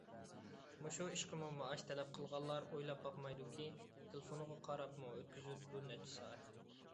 مۇشۇ ئىشقىمۇ مائاش تەلەپ قىلغانلار ئويلاپ باقمايدۇكى، تېلېفونىغا قاراپمۇ ئۆتكۈزۈۋېتىدۇ نەچچە سائەتنى.